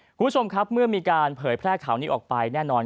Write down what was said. คุณผู้ชมครับเมื่อมีการเผยแพร่ข่าวนี้ออกไปแน่นอน